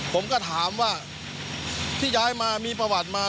ผมก็ถามว่าที่ย้ายมามีประวัติมา